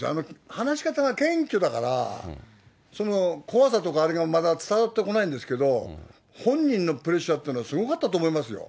話し方が謙虚だから、その怖さとかあれがまだ伝わってこないんですけど、本人のプレッシャーってのは、すごかったと思いますよ。